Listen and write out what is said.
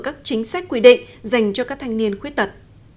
các chính sách quy định dành cho các thanh niên khuyết tật